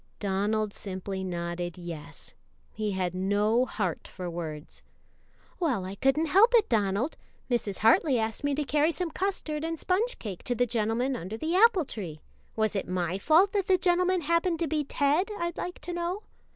Donald simply nodded yes; he had no heart for words. "Well, I couldn't help it, Donald; Mrs. Hartley asked me to carry some custard and sponge cake to the gentleman under the apple tree was it my fault that the gentleman happened to be Ted, I'd like to know?"